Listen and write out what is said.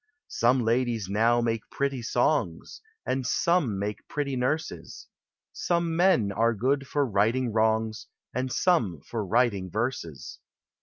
Some ladies now make pretty son And some make pretty nurses ; Some men are good for righting wrongs And some for writing verses.